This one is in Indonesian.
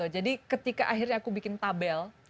jadi ketika akhirnya aku bikin tabel